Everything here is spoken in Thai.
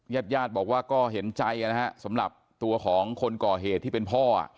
ญาติญาติบอกว่าก็เห็นใจนะฮะสำหรับตัวของคนก่อเหตุที่เป็นพ่อ